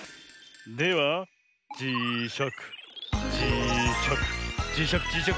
ではじしゃくじしゃくじしゃくじしゃく